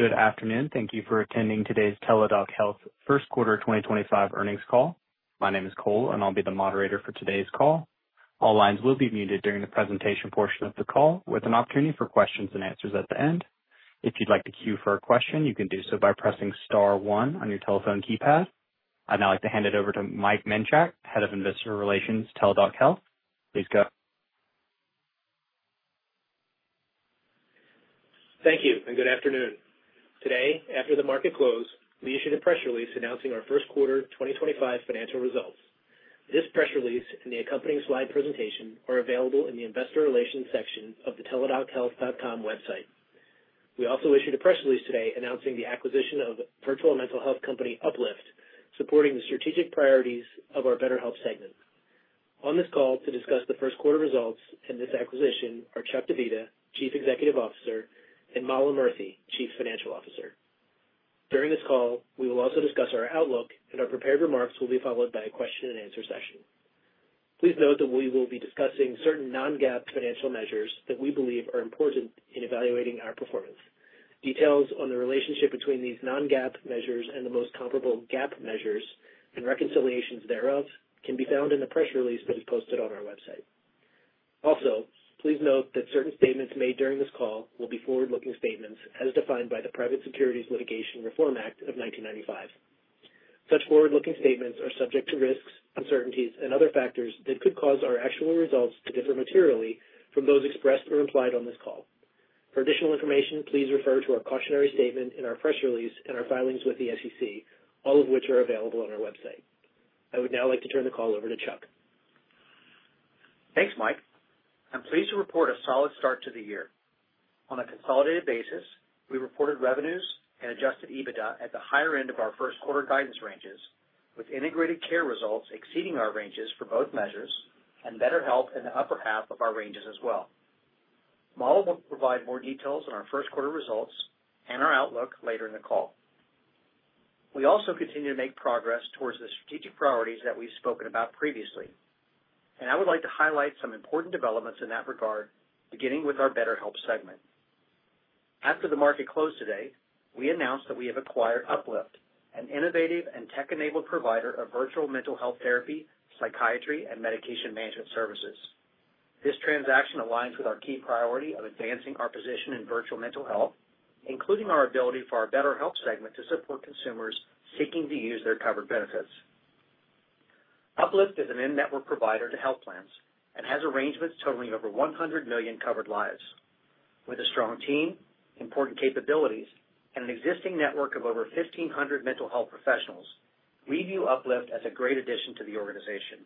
Good afternoon. Thank you for attending today's Teladoc Health First Quarter 2025 earnings call. My name is Cole, and I'll be the moderator for today's call. All lines will be muted during the presentation portion of the call, with an opportunity for questions and answers at the end. If you'd like to queue for a question, you can do so by pressing star one on your telephone keypad. I'd now like to hand it over to Mike Menchak, Head of Investor Relations, Teladoc Health. Please go. Thank you and good afternoon. Today, after the market closed, we issued a press release announcing our first quarter 2025 financial results. This press release and the accompanying slide presentation are available in the Investor Relations section of the teladochealth.com website. We also issued a press release today announcing the acquisition of virtual mental health company UpLift, supporting the strategic priorities of our BetterHelp segment. On this call to discuss the first quarter results and this acquisition are Chuck Divita, Chief Executive Officer, and Mala Murthy, Chief Financial Officer. During this call, we will also discuss our outlook, and our prepared remarks will be followed by a question-and-answer session. Please note that we will be discussing certain non-GAAP financial measures that we believe are important in evaluating our performance. Details on the relationship between these non-GAAP measures and the most comparable GAAP measures and reconciliations thereof can be found in the press release that is posted on our website. Also, please note that certain statements made during this call will be forward-looking statements as defined by the Private Securities Litigation Reform Act of 1995. Such forward-looking statements are subject to risks, uncertainties, and other factors that could cause our actual results to differ materially from those expressed or implied on this call. For additional information, please refer to our cautionary statement in our press release and our filings with the SEC, all of which are available on our website. I would now like to turn the call over to Chuck. Thanks, Mike. I'm pleased to report a solid start to the year. On a consolidated basis, we reported revenues and adjusted EBITDA at the higher end of our first quarter guidance ranges, with Integrated Care results exceeding our ranges for both measures and BetterHelp in the upper half of our ranges as well. Mala will provide more details on our first quarter results and our outlook later in the call. We also continue to make progress towards the strategic priorities that we've spoken about previously, and I would like to highlight some important developments in that regard, beginning with our BetterHelp segment. After the market closed today, we announced that we have acquired Uplift, an innovative and tech-enabled provider of virtual mental health therapy, psychiatry, and medication management services. This transaction aligns with our key priority of advancing our position in virtual mental health, including our ability for our BetterHelp segment to support consumers seeking to use their covered benefits. Uplift is an in-network provider to health plans and has arrangements totaling over 100 million covered lives. With a strong team, important capabilities, and an existing network of over 1,500 mental health professionals, we view Uplift as a great addition to the organization,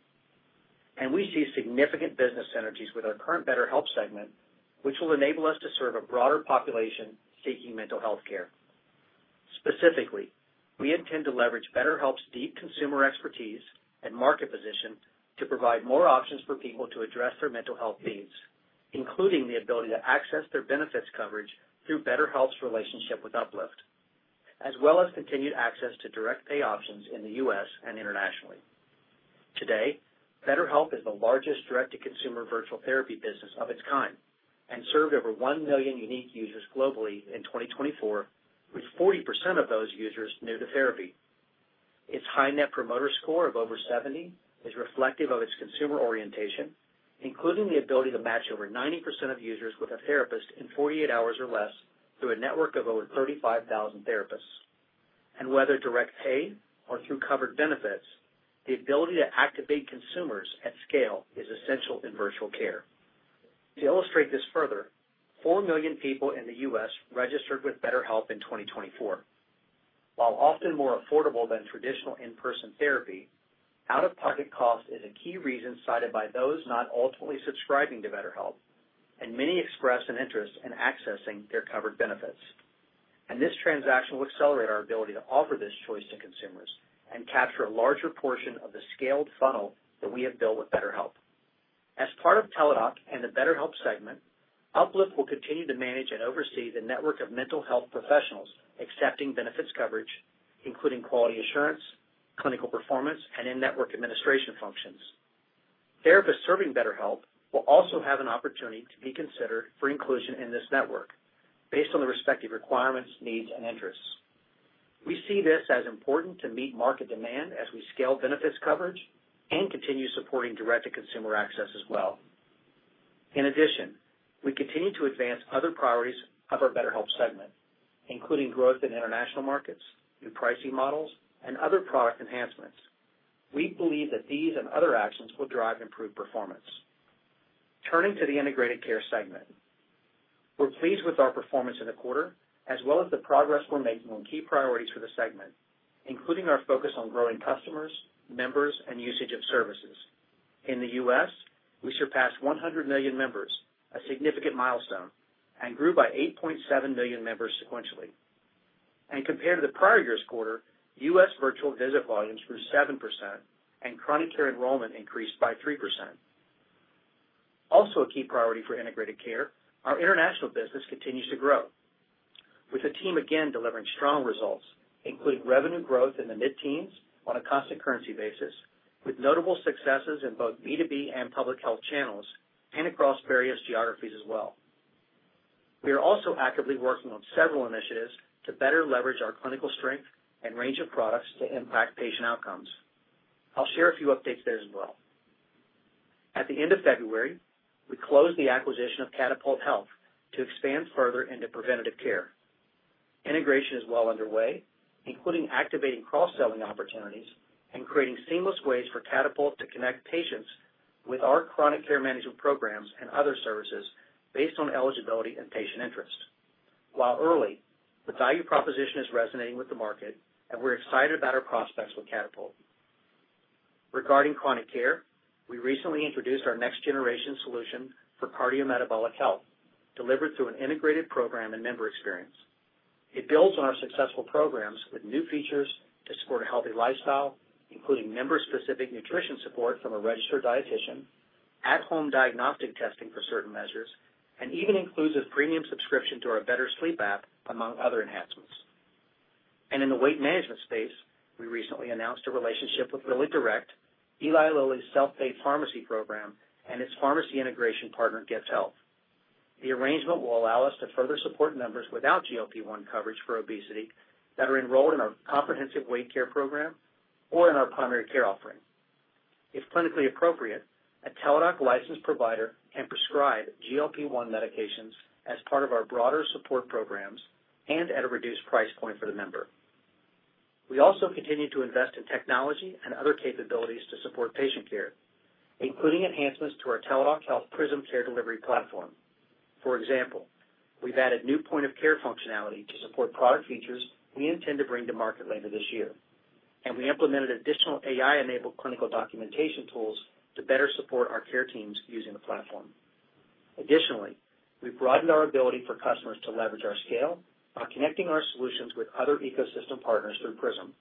and we see significant business synergies with our current BetterHelp segment, which will enable us to serve a broader population seeking mental health care. Specifically, we intend to leverage BetterHelp's deep consumer expertise and market position to provide more options for people to address their mental health needs, including the ability to access their benefits coverage through BetterHelp's relationship with Uplift, as well as continued access to direct pay options in the U.S. and internationally. Today, BetterHelp is the largest direct-to-consumer virtual therapy business of its kind and served over 1 million unique users globally in 2024, with 40% of those users new to therapy. Its high Net Promoter Score of over 70 is reflective of its consumer orientation, including the ability to match over 90% of users with a therapist in 48 hours or less through a network of over 35,000 therapists. Whether direct pay or through covered benefits, the ability to activate consumers at scale is essential in virtual care. To illustrate this further, four million people in the U.S. registered with BetterHelp in 2024. While often more affordable than traditional in-person therapy, out-of-pocket cost is a key reason cited by those not ultimately subscribing to BetterHelp, and many express an interest in accessing their covered benefits. This transaction will accelerate our ability to offer this choice to consumers and capture a larger portion of the scaled funnel that we have built with BetterHelp. As part of Teladoc and the BetterHelp segment, Uplift will continue to manage and oversee the network of mental health professionals accepting benefits coverage, including quality assurance, clinical performance, and in-network administration functions. Therapists serving BetterHelp will also have an opportunity to be considered for inclusion in this network based on the respective requirements, needs, and interests. We see this as important to meet market demand as we scale benefits coverage and continue supporting direct-to-consumer access as well. In addition, we continue to advance other priorities of our BetterHelp segment, including growth in international markets, new pricing models, and other product enhancements. We believe that these and other actions will drive improved performance. Turning to the Integrated Care segment, we're pleased with our performance in the quarter, as well as the progress we're making on key priorities for the segment, including our focus on growing customers, members, and usage of services. In the U.S., we surpassed 100 million members, a significant milestone, and grew by 8.7 million members sequentially. Compared to the prior year's quarter, U.S. virtual visit volumes grew 7%, and Chronic Care enrollment increased by 3%. Also, a key priority for Integrated Care, our international business continues to grow, with the team again delivering strong results, including revenue growth in the mid-teens on a constant currency basis, with notable successes in both B2B and public health channels and across various geographies as well. We are also actively working on several initiatives to better leverage our clinical strength and range of products to impact patient outcomes. I'll share a few updates there as well. At the end of February, we closed the acquisition of Catapult Health to expand further into preventative care. Integration is well underway, including activating cross-selling opportunities and creating seamless ways for Catapult to connect patients with our chronic care management programs and other services based on eligibility and patient interest. While early, the value proposition is resonating with the market, and we're excited about our prospects with Catapult. Regarding chronic care, we recently introduced our next-generation solution for cardiometabolic health, delivered through an integrated program and member experience. It builds on our successful programs with new features to support a healthy lifestyle, including member-specific nutrition support from a registered dietitian, at-home diagnostic testing for certain measures, and even includes a premium subscription to our BetterSleep app, among other enhancements. In the weight management space, we recently announced a relationship with LillyDirect, Eli Lilly's self-pay pharmacy program, and its pharmacy integration partner, GiftHealth. The arrangement will allow us to further support members without GLP-1 coverage for obesity that are enrolled in our comprehensive weight care program or in our primary care offering. If clinically appropriate, a Teladoc licensed provider can prescribe GLP-1 medications as part of our broader support programs and at a reduced price point for the member. We also continue to invest in technology and other capabilities to support patient care, including enhancements to our Teladoc Health Prism Care Delivery platform. For example, we've added new point-of-care functionality to support product features we intend to bring to market later this year, and we implemented additional AI-enabled clinical documentation tools to better support our care teams using the platform. Additionally, we've broadened our ability for customers to leverage our scale by connecting our solutions with other ecosystem partners through Prism.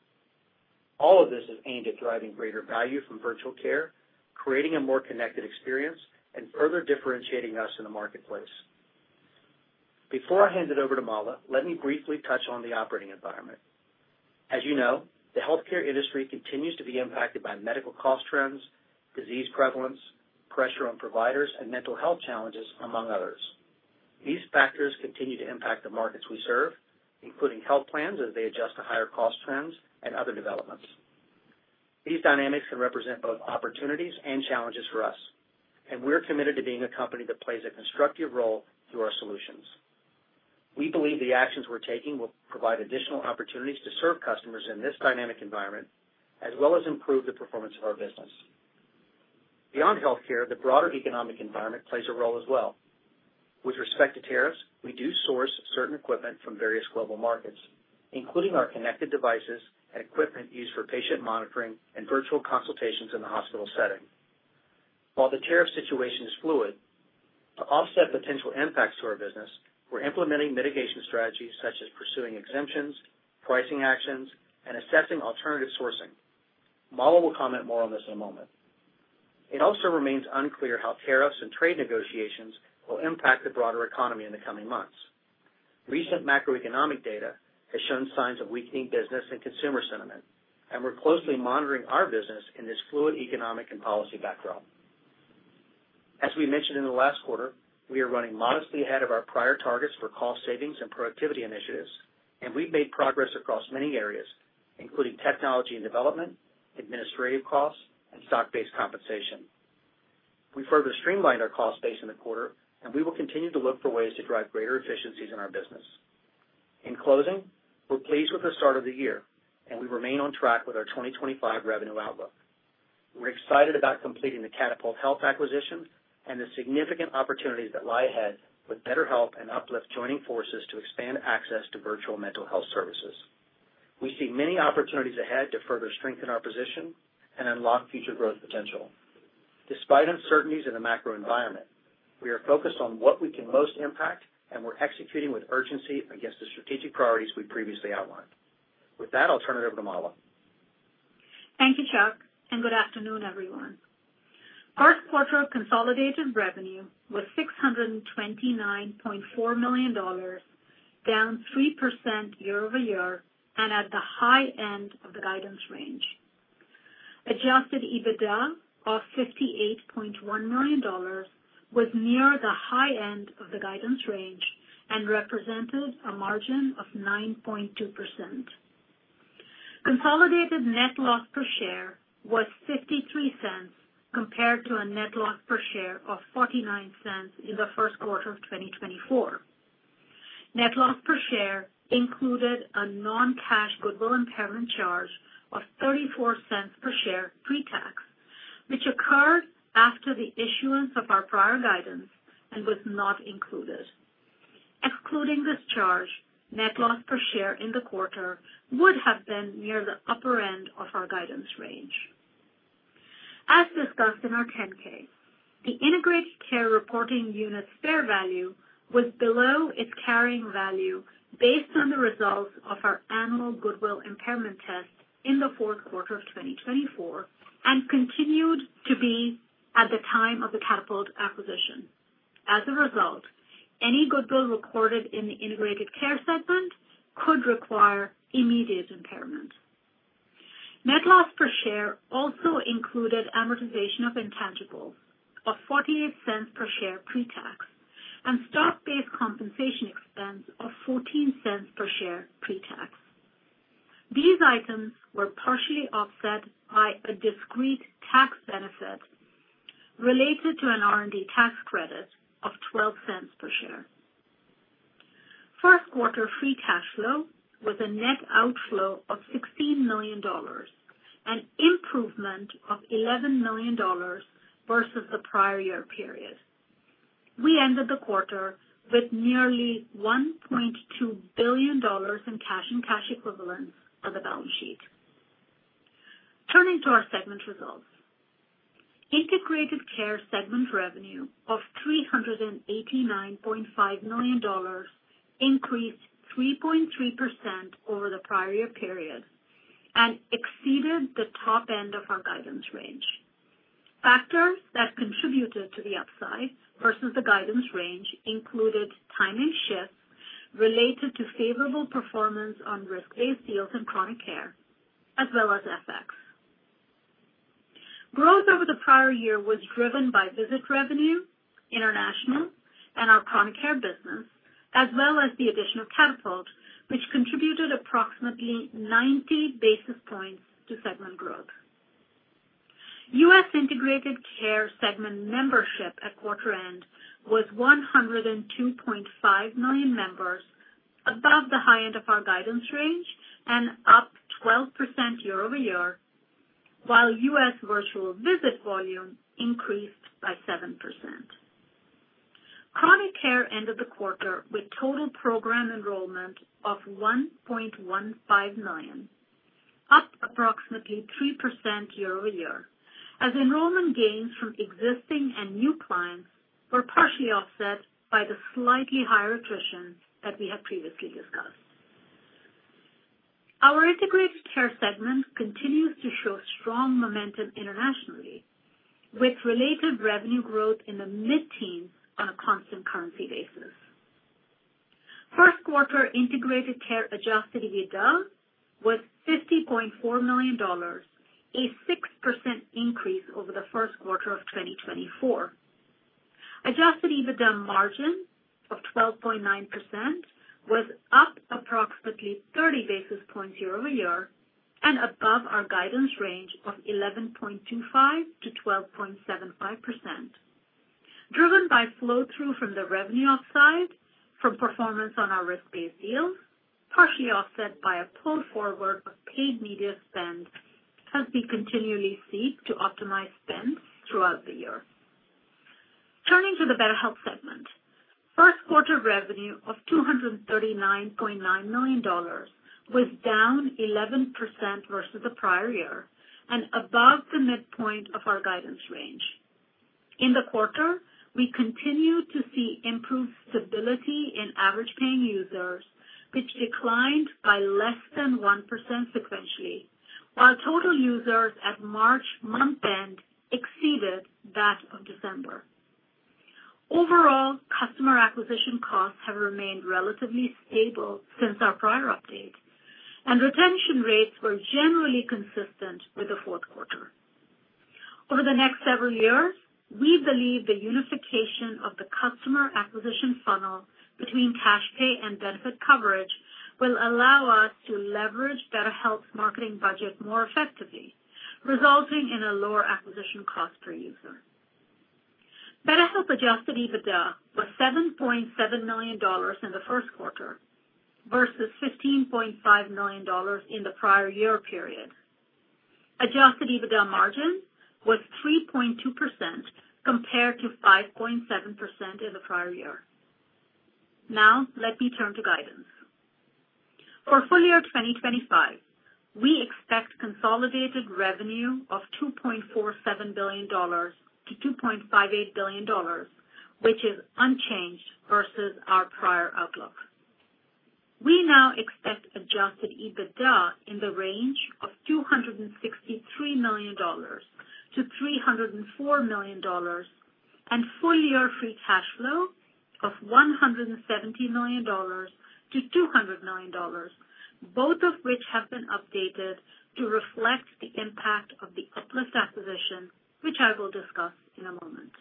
All of this is aimed at driving greater value from virtual care, creating a more connected experience, and further differentiating us in the marketplace. Before I hand it over to Mala, let me briefly touch on the operating environment. As you know, the healthcare industry continues to be impacted by medical cost trends, disease prevalence, pressure on providers, and mental health challenges, among others. These factors continue to impact the markets we serve, including health plans as they adjust to higher cost trends and other developments. These dynamics can represent both opportunities and challenges for us, and we're committed to being a company that plays a constructive role through our solutions. We believe the actions we're taking will provide additional opportunities to serve customers in this dynamic environment, as well as improve the performance of our business. Beyond healthcare, the broader economic environment plays a role as well. With respect to tariffs, we do source certain equipment from various global markets, including our connected devices and equipment used for patient monitoring and virtual consultations in the hospital setting. While the tariff situation is fluid, to offset potential impacts to our business, we're implementing mitigation strategies such as pursuing exemptions, pricing actions, and assessing alternative sourcing. Mala will comment more on this in a moment. It also remains unclear how tariffs and trade negotiations will impact the broader economy in the coming months. Recent macroeconomic data has shown signs of weakening business and consumer sentiment, and we're closely monitoring our business in this fluid economic and policy backdrop. As we mentioned in the last quarter, we are running modestly ahead of our prior targets for cost savings and productivity initiatives, and we've made progress across many areas, including technology and development, administrative costs, and stock-based compensation. We further streamlined our cost base in the quarter, and we will continue to look for ways to drive greater efficiencies in our business. In closing, we're pleased with the start of the year, and we remain on track with our 2025 revenue outlook. We're excited about completing the Catapult Health acquisition and the significant opportunities that lie ahead with BetterHelp and Uplift joining forces to expand access to virtual mental health services. We see many opportunities ahead to further strengthen our position and unlock future growth potential. Despite uncertainties in the macro environment, we are focused on what we can most impact, and we're executing with urgency against the strategic priorities we previously outlined. With that, I'll turn it over to Mala. Thank you, Chuck, and good afternoon, everyone. First quarter consolidated revenue was $629.4 million, down 3% year-over-year and at the high end of the guidance range. Adjusted EBITDA of $58.1 million was near the high end of the guidance range and represented a margin of 9.2%. Consolidated net loss per share was $0.53 compared to a net loss per share of $0.49 in the first quarter of 2024. Net loss per share included a non-cash goodwill impairment charge of $0.34 per share pre-tax, which occurred after the issuance of our prior guidance and was not included. Excluding this charge, net loss per share in the quarter would have been near the upper end of our guidance range. As discussed in our 10-K, the Integrated Care reporting unit's fair value was below its carrying value based on the results of our annual goodwill impairment test in the fourth quarter of 2024 and continued to be at the time of the Catapult Health acquisition. As a result, any goodwill recorded in the Integrated Care segment could require immediate impairment. Net loss per share also included amortization of intangibles of $0.48 per share pre-tax and stock-based compensation expense of $0.14 per share pre-tax. These items were partially offset by a discrete tax benefit related to an R&D tax credit of $0.12 per share. First quarter free cash flow was a net outflow of $16 million, an improvement of $11 million versus the prior year period. We ended the quarter with nearly $1.2 billion in cash and cash equivalents on the balance sheet. Turning to our segment results, integrated care segment revenue of $389.5 million increased 3.3% over the prior year period and exceeded the top end of our guidance range. Factors that contributed to the upside versus the guidance range included timing shifts related to favorable performance on risk-based deals in chronic care, as well as FX. Growth over the prior year was driven by visit revenue, international, and our chronic care business, as well as the addition of Catapult, which contributed approximately 90 basis points to segment growth. U.S. integrated care segment membership at quarter end was 102.5 million members, above the high end of our guidance range and up 12% year-over-year, while U.S. virtual visit volume increased by 7%. Chronic Care ended the quarter with total program enrollment of 1.15 million, up approximately 3% year-over-year, as enrollment gains from existing and new clients were partially offset by the slightly higher attrition that we had previously discussed. Our Integrated Care segment continues to show strong momentum internationally, with related revenue growth in the mid-teens on a constant currency basis. First quarter Integrated Care adjusted EBITDA was $50.4 million, a 6% increase over the first quarter of 2024. Adjusted EBITDA margin of 12.9% was up approximately 30 basis points year-over-year and above our guidance range of 11.25%-12.75%. Driven by flow-through from the revenue upside from performance on our risk-based deals, partially offset by a pull-forward of paid media spend as we continually seek to optimize spend throughout the year. Turning to the BetterHelp segment, first quarter revenue of $239.9 million was down 11% versus the prior year and above the midpoint of our guidance range. In the quarter, we continued to see improved stability in average paying users, which declined by less than 1% sequentially, while total users at March month-end exceeded that of December. Overall, customer acquisition costs have remained relatively stable since our prior update, and retention rates were generally consistent with the fourth quarter. Over the next several years, we believe the unification of the customer acquisition funnel between cash pay and benefit coverage will allow us to leverage BetterHelp's marketing budget more effectively, resulting in a lower acquisition cost per user. BetterHelp adjusted EBITDA was $7.7 million in the first quarter versus $15.5 million in the prior year period. Adjusted EBITDA margin was 3.2% compared to 5.7% in the prior year. Now, let me turn to guidance. For full year 2025, we expect consolidated revenue of $2.47 billion-$2.58 billion, which is unchanged versus our prior outlook. We now expect adjusted EBITDA in the range of $263 million-$304 million and full year free cash flow of $170 million-$200 million, both of which have been updated to reflect the impact of the Uplift acquisition, which I will discuss in a moment.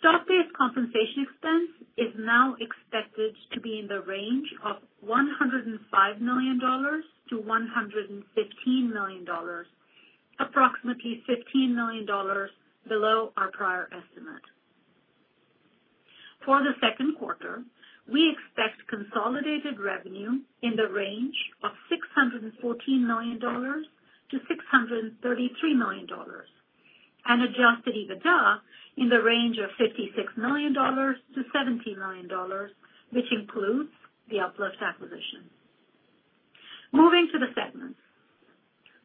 Stock-based compensation expense is now expected to be in the range of $105 million-$115 million, approximately $15 million below our prior estimate. For the second quarter, we expect consolidated revenue in the range of $614 million-$633 million and adjusted EBITDA in the range of $56 million-$70 million, which includes the Uplift acquisition. Moving to the segments.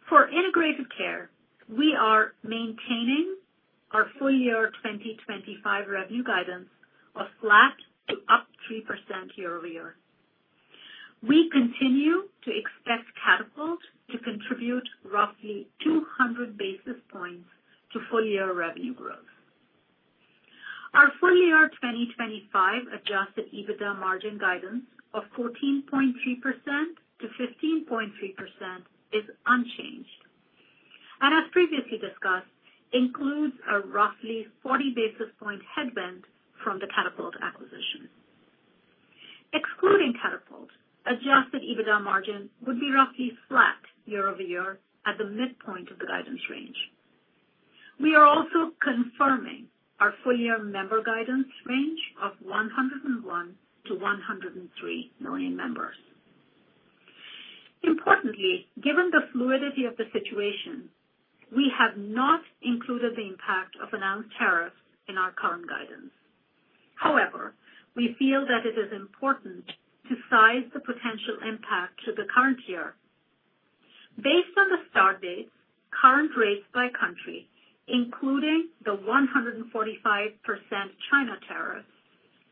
For Integrated Care, we are maintaining our full year 2025 revenue guidance of flat to up 3% year-over-year. We continue to expect Catapult to contribute roughly 200 basis points to full year revenue growth. Our full year 2025 adjusted EBITDA margin guidance of 14.3%-15.3% is unchanged and, as previously discussed, includes a roughly 40 basis point headwind from the Catapult acquisition. Excluding Catapult, adjusted EBITDA margin would be roughly flat year-over-year at the midpoint of the guidance range. We are also confirming our full year member guidance range of 101million-103 million members. Importantly, given the fluidity of the situation, we have not included the impact of announced tariffs in our current guidance. However, we feel that it is important to size the potential impact to the current year. Based on the start dates, current rates by country, including the 145% China tariff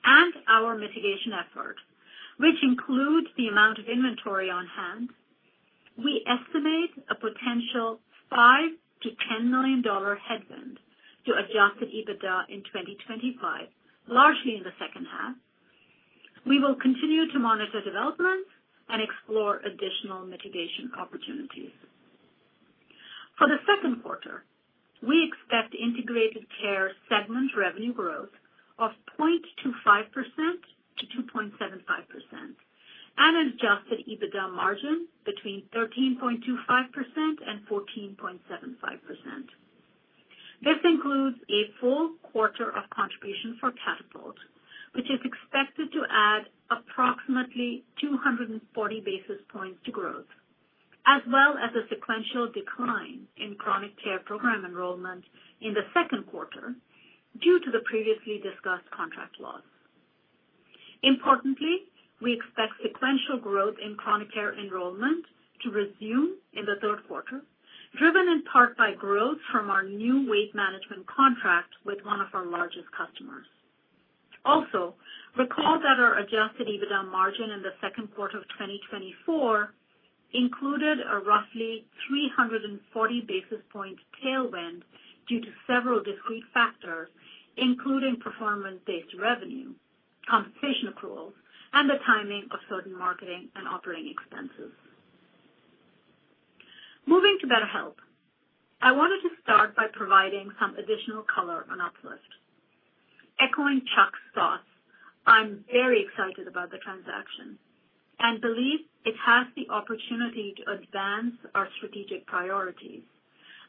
and our mitigation effort, which includes the amount of inventory on hand, we estimate a potential $5 million-$10 million headwind to adjusted EBITDA in 2025, largely in the second half. We will continue to monitor developments and explore additional mitigation opportunities. For the second quarter, we expect Integrated Care segment revenue growth of 0.25%-2.75% and adjusted EBITDA margin between 13.25% and 14.75%. This includes a full quarter of contribution for Catapult, which is expected to add approximately 240 basis points to growth, as well as a sequential decline in Chronic Care program enrollment in the second quarter due to the previously discussed contract loss. Importantly, we expect sequential growth in chronic care enrollment to resume in the third quarter, driven in part by growth from our new weight management contract with one of our largest customers. Also, recall that our adjusted EBITDA margin in the second quarter of 2024 included a roughly 340 basis point tailwind due to several discrete factors, including performance-based revenue, compensation accruals, and the timing of certain marketing and operating expenses. Moving to BetterHelp, I wanted to start by providing some additional color on Uplift. Echoing Chuck's thoughts, I'm very excited about the transaction and believe it has the opportunity to advance our strategic priorities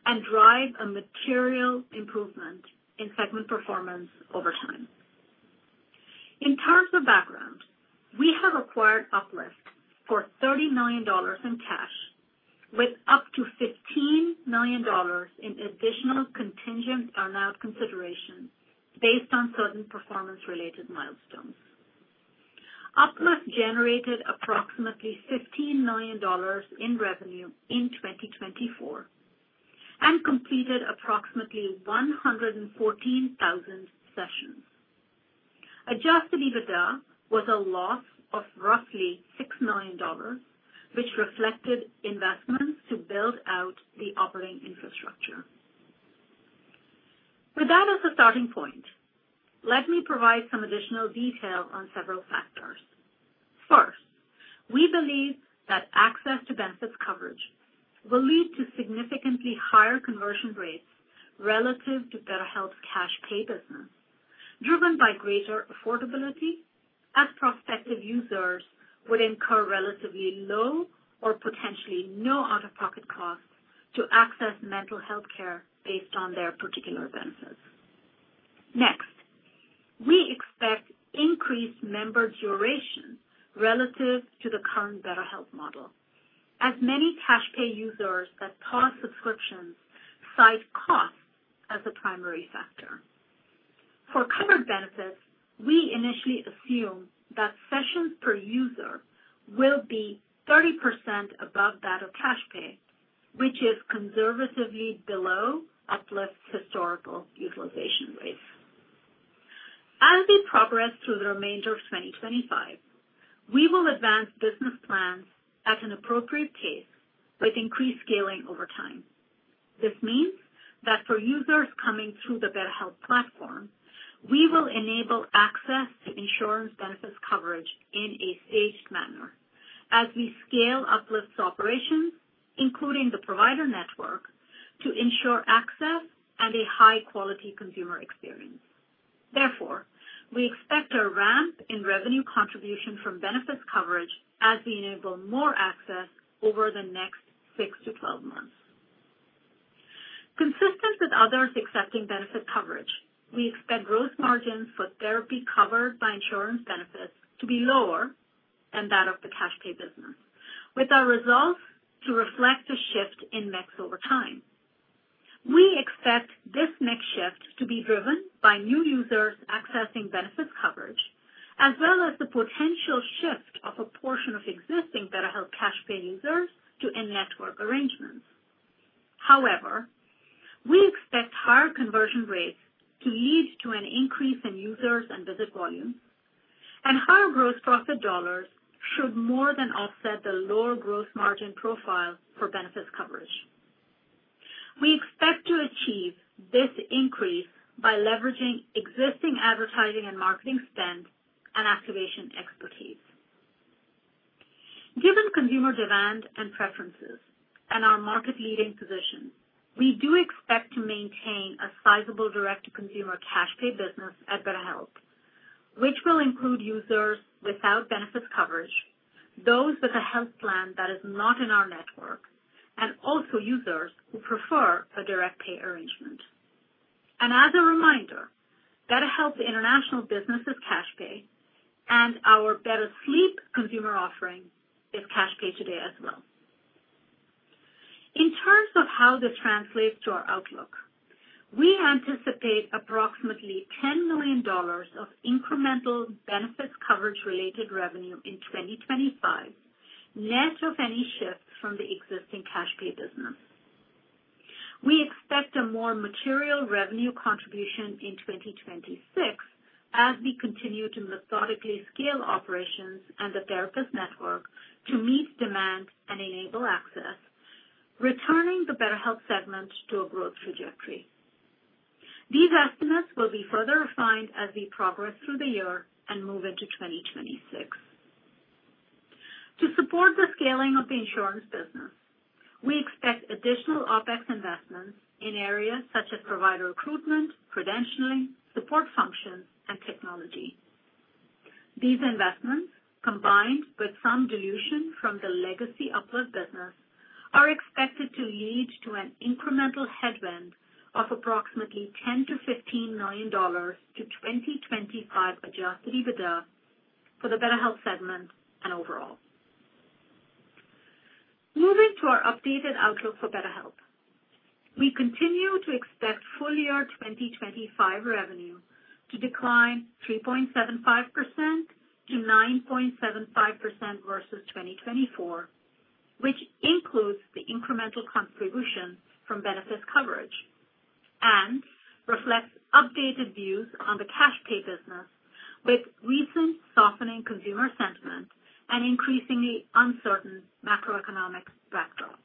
and drive a material improvement in segment performance over time. In terms of background, we have acquired Uplift for $30 million in cash, with up to $15 million in additional contingent earn-out consideration based on certain performance-related milestones. Uplift generated approximately $15 million in revenue in 2024 and completed approximately 114,000 sessions. Adjusted EBITDA was a loss of roughly $6 million, which reflected investments to build out the operating infrastructure. With that as a starting point, let me provide some additional detail on several factors. First, we believe that access to benefits coverage will lead to significantly higher conversion rates relative to BetterHelp's cash pay business, driven by greater affordability as prospective users would incur relatively low or potentially no out-of-pocket costs to access mental health care based on their particular benefits. Next, we expect increased member duration relative to the current BetterHelp model, as many cash pay users that pause subscriptions cite cost as a primary factor. For covered benefits, we initially assume that sessions per user will be 30% above that of cash pay, which is conservatively below Uplift's historical utilization rates. As we progress through the remainder of 2025, we will advance business plans at an appropriate pace with increased scaling over time. This means that for users coming through the BetterHelp platform, we will enable access to insurance benefits coverage in a staged manner as we scale Uplift's operations, including the provider network, to ensure access and a high-quality consumer experience. Therefore, we expect a ramp in revenue contribution from benefits coverage as we enable more access over the next 6 to 12 months. Consistent with others accepting benefit coverage, we expect gross margins for therapy covered by insurance benefits to be lower than that of the cash pay business, with our results to reflect a shift in mix over time. We expect this mix shift to be driven by new users accessing benefits coverage, as well as the potential shift of a portion of existing BetterHelp cash pay users to in-network arrangements. However, we expect higher conversion rates to lead to an increase in users and visit volume, and higher gross profit dollars should more than offset the lower gross margin profile for benefits coverage. We expect to achieve this increase by leveraging existing advertising and marketing spend and activation expertise. Given consumer demand and preferences and our market-leading position, we do expect to maintain a sizable direct-to-consumer cash pay business at BetterHelp, which will include users without benefits coverage, those with a health plan that is not in our network, and also users who prefer a direct pay arrangement. As a reminder, BetterHelp International Business is cash pay, and our BetterSleep consumer offering is cash pay today as well. In terms of how this translates to our outlook, we anticipate approximately $10 million of incremental benefits coverage-related revenue in 2025, net of any shifts from the existing cash pay business. We expect a more material revenue contribution in 2026 as we continue to methodically scale operations and the therapist network to meet demand and enable access, returning the BetterHelp segment to a growth trajectory. These estimates will be further refined as we progress through the year and move into 2026. To support the scaling of the insurance business, we expect additional OPEX investments in areas such as provider recruitment, credentialing, support functions, and technology. These investments, combined with some dilution from the legacy Uplift business, are expected to lead to an incremental headwind of approximately $10million-$15 million to 2025 adjusted EBITDA for the BetterHelp segment and overall. Moving to our updated outlook for BetterHelp, we continue to expect full year 2025 revenue to decline 3.75%-9.75% versus 2024, which includes the incremental contribution from benefits coverage and reflects updated views on the cash pay business with recent softening consumer sentiment and increasingly uncertain macroeconomic backdrop.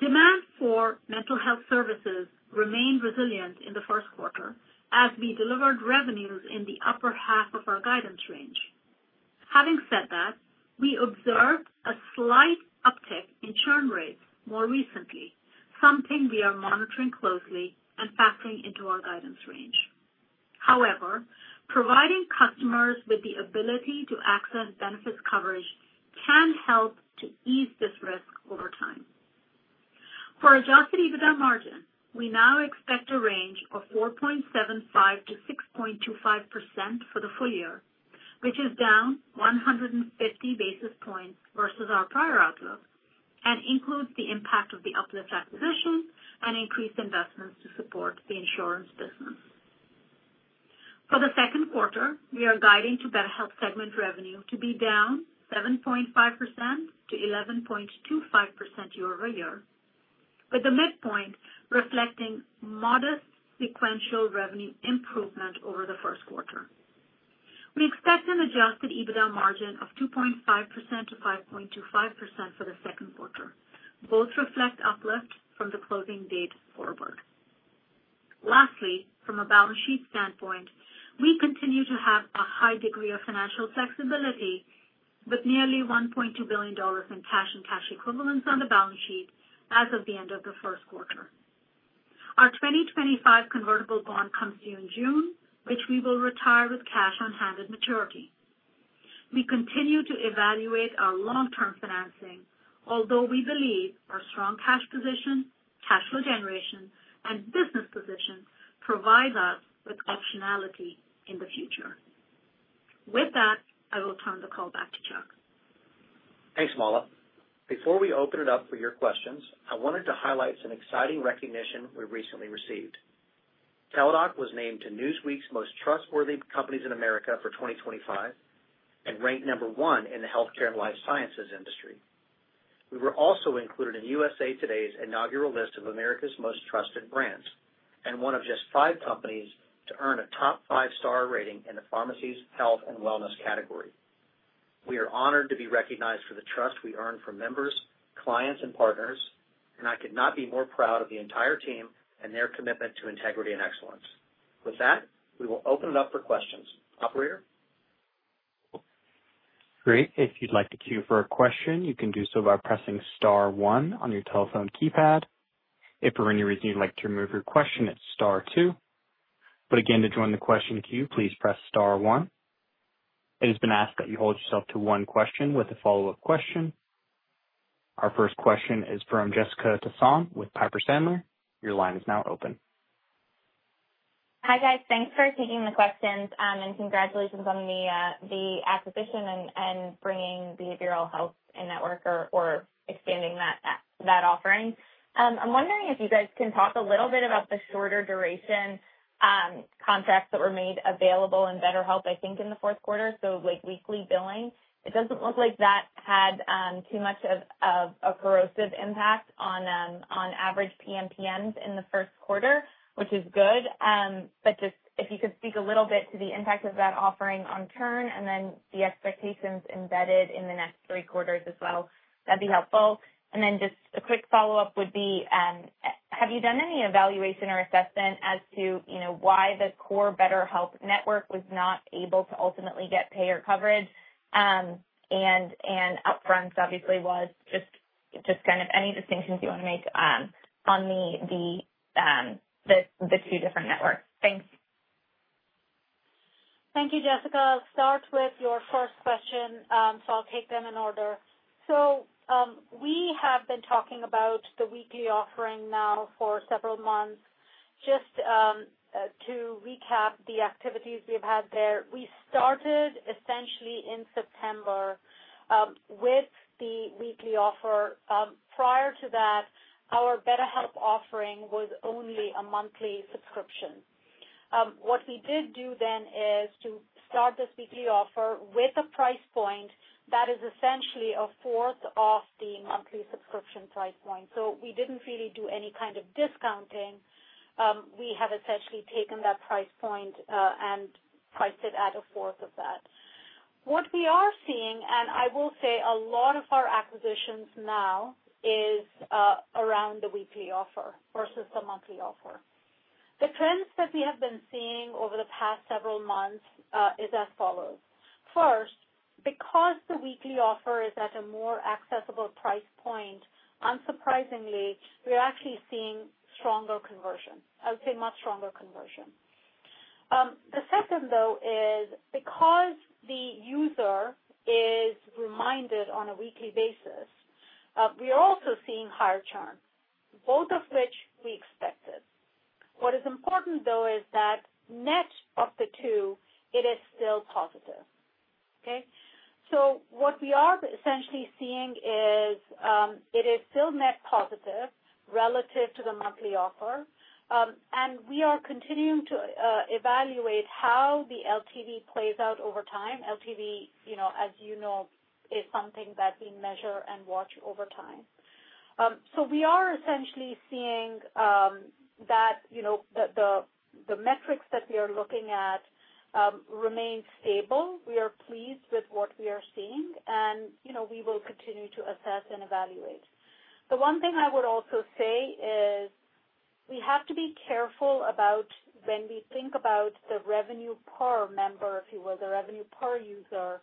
Demand for mental health services remained resilient in the first quarter as we delivered revenues in the upper half of our guidance range. Having said that, we observed a slight uptick in churn rates more recently, something we are monitoring closely and factoring into our guidance range. However, providing customers with the ability to access benefits coverage can help to ease this risk over time. For adjusted EBITDA margin, we now expect a range of 4.75%-6.25% for the full year, which is down 150 basis points versus our prior outlook and includes the impact of the Uplift acquisition and increased investments to support the insurance business. For the second quarter, we are guiding to BetterHelp segment revenue to be down 7.5%-11.25% year-over-year, with the midpoint reflecting modest sequential revenue improvement over the first quarter. We expect an adjusted EBITDA margin of 2.5%-5.25% for the second quarter. Both reflect Uplift from the closing date forward. Lastly, from a balance sheet standpoint, we continue to have a high degree of financial flexibility with nearly $1.2 billion in cash and cash equivalents on the balance sheet as of the end of the first quarter. Our 2025 convertible bond comes due in June, which we will retire with cash on hand at maturity. We continue to evaluate our long-term financing, although we believe our strong cash position, cash flow generation, and business position provide us with optionality in the future. With that, I will turn the call back to Chuck. Thanks, Mala. Before we open it up for your questions, I wanted to highlight some exciting recognition we recently received. Teladoc Health was named to Newsweek's Most Trustworthy Companies in America for 2025 and ranked number one in the healthcare and life sciences industry. We were also included in USA Today's inaugural list of America's Most Trusted Brands and one of just five companies to earn a top five-star rating in the pharmacies, health, and wellness category. We are honored to be recognized for the trust we earned from members, clients, and partners, and I could not be more proud of the entire team and their commitment to integrity and excellence. With that, we will open it up for questions. Operator? Great. If you'd like to queue for a question, you can do so by pressing Star one on your telephone keypad. If for any reason you'd like to remove your question, it's Star two. Again, to join the question queue, please press Star one. It has been asked that you hold yourself to one question with a follow-up question. Our first question is from Jessica Tassan with Piper Sandler. Your line is now open. Hi, guys. Thanks for taking the questions and congratulations on the acquisition and bringing behavioral health in network or expanding that offering. I'm wondering if you guys can talk a little bit about the shorter duration contracts that were made available in BetterHelp, I think, in the fourth quarter. Weekly billing, it doesn't look like that had too much of a corrosive impact on average PMPNs in the first quarter, which is good. If you could speak a little bit to the impact of that offering on churn and then the expectations embedded in the next three quarters as well, that'd be helpful. A quick follow-up would be, have you done any evaluation or assessment as to why the core BetterHelp network was not able to ultimately get payer coverage? Upfront, obviously, was just kind of any distinctions you want to make on the two different networks. Thanks. Thank you, Jessica. I'll start with your first question, so I'll take them in order. We have been talking about the weekly offering now for several months. Just to recap the activities we've had there, we started essentially in September with the weekly offer. Prior to that, our BetterHelp offering was only a monthly subscription. What we did do then is to start this weekly offer with a price point that is essentially a fourth of the monthly subscription price point. We did not really do any kind of discounting. We have essentially taken that price point and priced it at a fourth of that. What we are seeing, and I will say a lot of our acquisitions now is around the weekly offer versus the monthly offer. The trends that we have been seeing over the past several months is as follows. First, because the weekly offer is at a more accessible price point, unsurprisingly, we are actually seeing stronger conversion, I would say much stronger conversion. The second, though, is because the user is reminded on a weekly basis, we are also seeing higher churn, both of which we expected. What is important, though, is that net of the two, it is still positive. Okay? So what we are essentially seeing is it is still net positive relative to the monthly offer, and we are continuing to evaluate how the LTV plays out over time. LTV, as you know, is something that we measure and watch over time. So we are essentially seeing that the metrics that we are looking at remain stable. We are pleased with what we are seeing, and we will continue to assess and evaluate. The one thing I would also say is we have to be careful about when we think about the revenue per member, if you will, the revenue per user.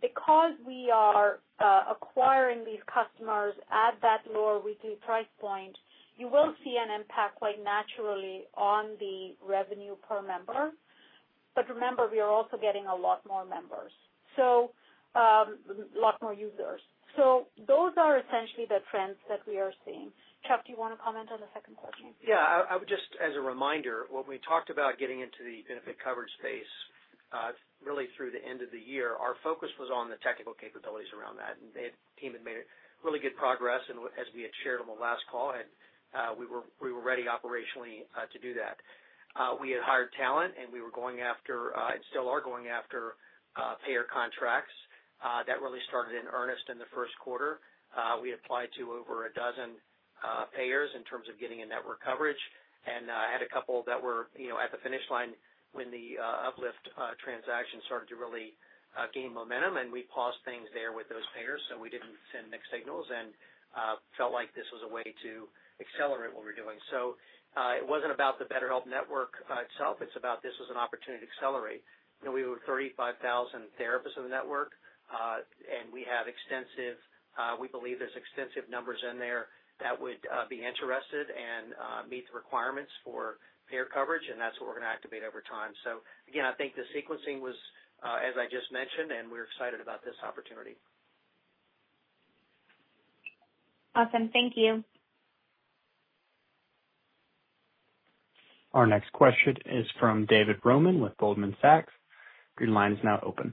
Because we are acquiring these customers at that lower weekly price point, you will see an impact quite naturally on the revenue per member. Remember, we are also getting a lot more members, so a lot more users. Those are essentially the trends that we are seeing. Chuck, do you want to comment on the second question? Yeah. Just as a reminder, when we talked about getting into the benefit coverage space really through the end of the year, our focus was on the technical capabilities around that. The team had made really good progress. As we had shared on the last call, we were ready operationally to do that. We had hired talent, and we were going after and still are going after payer contracts. That really started in earnest in the first quarter. We applied to over a dozen payers in terms of getting in network coverage. I had a couple that were at the finish line when the Uplift transaction started to really gain momentum. We paused things there with those payers, so we did not send mixed signals and felt like this was a way to accelerate what we are doing. It was not about the BetterHelp network itself. This was an opportunity to accelerate. We were 35,000 therapists in the network, and we believe there are extensive numbers in there that would be interested and meet the requirements for payer coverage. That is what we are going to activate over time. I think the sequencing was as I just mentioned, and we are excited about this opportunity. Awesome. Thank you. Our next question is from David Roman with Goldman Sachs. Your line is now open.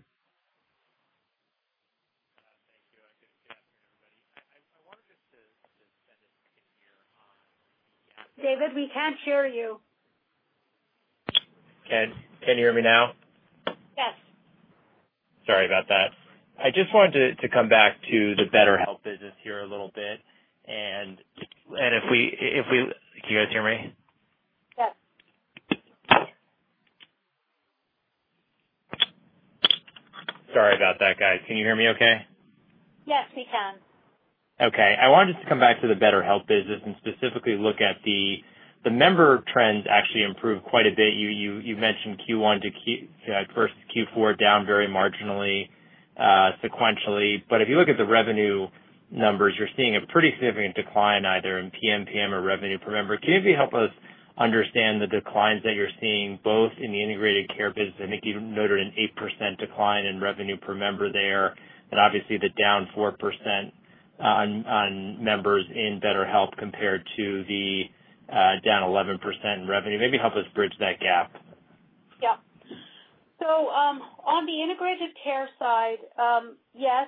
Thank you. Good afternoon, everybody. I wanted just to send a quick question here on the— David, we can't hear you. Can you hear me now? Yes. Sorry about that. I just wanted to come back to the BetterHelp business here a little bit. And can you guys hear me? Yes. Sorry about that, guys. Can you hear me okay? Yes, we can. Okay. I wanted just to come back to the BetterHelp business and specifically look at the member trends actually improved quite a bit. You mentioned Q1 to Q1, first Q4 down very marginally, sequentially. If you look at the revenue numbers, you're seeing a pretty significant decline either in PMPN or revenue per member. Can you maybe help us understand the declines that you're seeing both in the integrated care business? I think you noted an 8% decline in revenue per member there and obviously the down 4% on members in BetterHelp compared to the down 11% in revenue. Maybe help us bridge that gap. Yep. On the Integrated Care side, yes,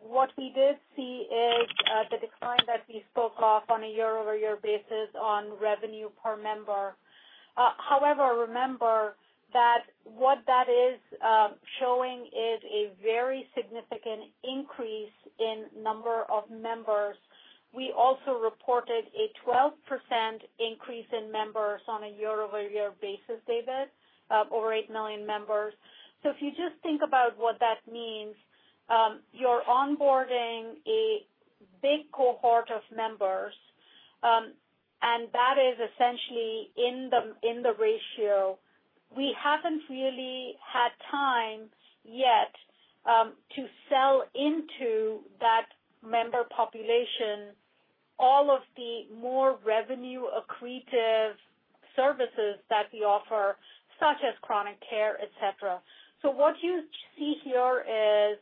what we did see is the decline that we spoke of on a year-over-year basis on revenue per member. However, remember that what that is showing is a very significant increase in number of members. We also reported a 12% increase in members on a year-over-year basis, David, over 8 million members. If you just think about what that means, you're onboarding a big cohort of members, and that is essentially in the ratio. We haven't really had time yet to sell into that member population all of the more revenue-accretive services that we offer, such as Chronic Care, etc. What you see here is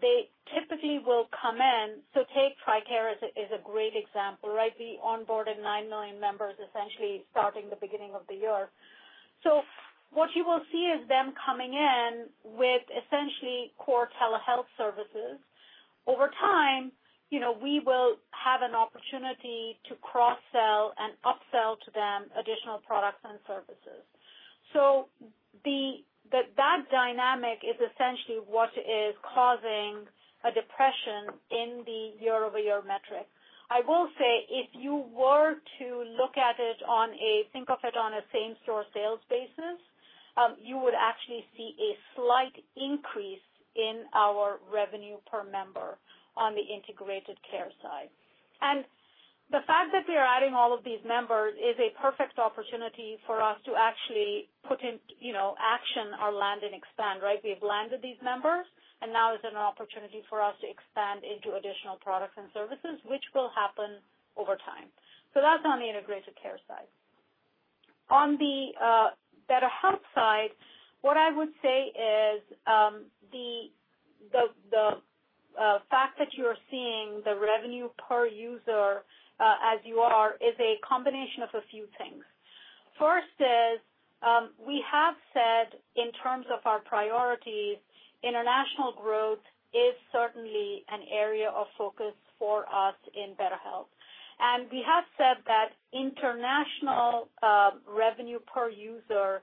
they typically will come in. Take Tricare as a great example, right? We onboarded 9 million members essentially starting the beginning of the year. What you will see is them coming in with essentially core telehealth services. Over time, we will have an opportunity to cross-sell and upsell to them additional products and services. That dynamic is essentially what is causing a depression in the year-over-year metric. I will say if you were to look at it on a—think of it on a same-store sales basis, you would actually see a slight increase in our revenue per member on the Integrated Care side. The fact that we are adding all of these members is a perfect opportunity for us to actually put in action or land and expand, right? We have landed these members, and now it's an opportunity for us to expand into additional products and services, which will happen over time. That's on the Integrated Care side. On the BetterHelp side, what I would say is the fact that you're seeing the revenue per user as you are is a combination of a few things. First is we have said in terms of our priorities, international growth is certainly an area of focus for us in BetterHelp. We have said that international revenue per user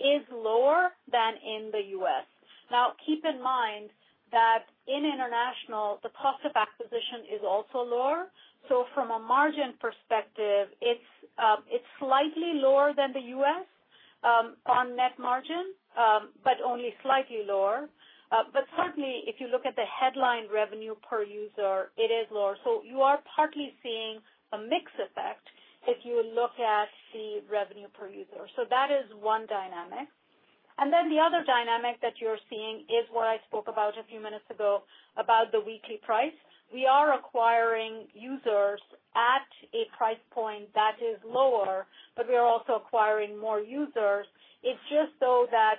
is lower than in the U.S. Now, keep in mind that in international, the cost of acquisition is also lower. From a margin perspective, it's slightly lower than the U.S. on net margin, but only slightly lower. Certainly, if you look at the headline revenue per user, it is lower. You are partly seeing a mixed effect if you look at the revenue per user. That is one dynamic. The other dynamic that you're seeing is what I spoke about a few minutes ago about the weekly price. We are acquiring users at a price point that is lower, but we are also acquiring more users. It's just so that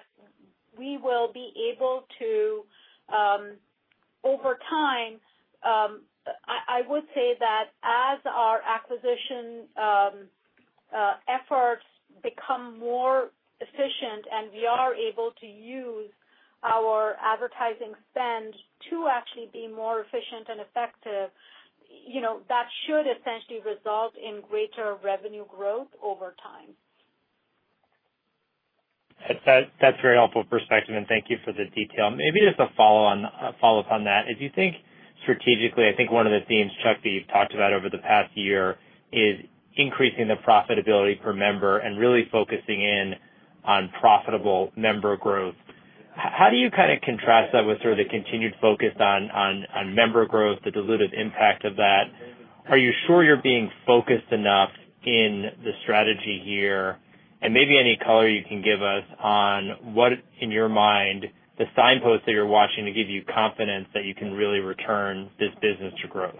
we will be able to, over time, I would say that as our acquisition efforts become more efficient and we are able to use our advertising spend to actually be more efficient and effective, that should essentially result in greater revenue growth over time. That's a very helpful perspective, and thank you for the detail. Maybe just a follow-up on that. If you think strategically, I think one of the themes, Chuck, that you've talked about over the past year is increasing the profitability per member and really focusing in on profitable member growth. How do you kind of contrast that with sort of the continued focus on member growth, the diluted impact of that? Are you sure you're being focused enough in the strategy here? Maybe any color you can give us on what, in your mind, the signposts that you're watching to give you confidence that you can really return this business to growth?